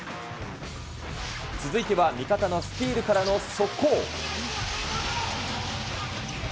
続いては味方のスティールからの速攻。